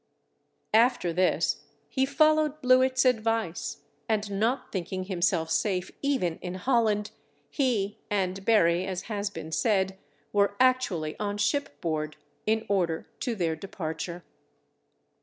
After this he followed Blewit's advice, and not thinking himself safe even in Holland, he and Berry (as has been said) were actually on ship board, in order to their departure.